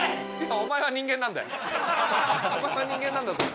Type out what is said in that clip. お前は人間なんだぞ？